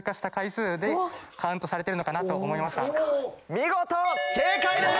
見事正解です！